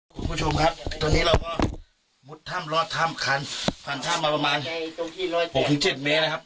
คุณผู้ชมครับตอนนี้เราก็หมุดท่ำลอดท่ำคันพันท่ำมาประมาณหกหุ้นเจ็ดเมตรนะครับ